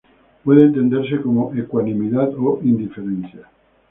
Puede entenderse como ecuanimidad o indiferencia.